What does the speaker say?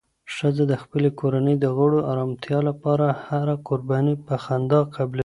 ښځه د خپلې کورنۍ د غړو د ارامتیا لپاره هره قرباني په خندا قبلوي